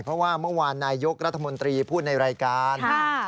เพราะว่าเมื่อวานนายยกรัฐมนตรีพูดในรายการ